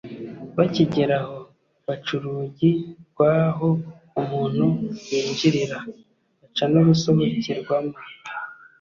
bakigera aho baca urugi rw’aho umuntu yinjirira baca n’urusohokerwamo